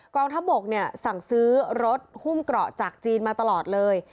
กองทัพบกเนี่ยสั่งซื้อรถหุ้มเกราะจากจีนมาตลอดเลย